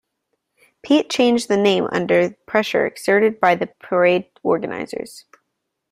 Pete changed the name under pressure exerted by the parade organizers.